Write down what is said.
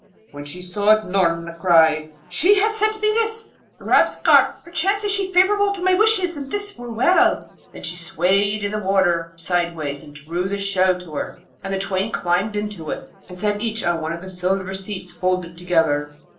When she saw it, Noorna cried, 'She has sent me this, Rabesqurat! Perchance is she favourable to my wishes, and this were well!' Then she swayed in the water sideways, and drew the shell to her, and the twain climbed into it, and sat each on one of the silver seats, folded together.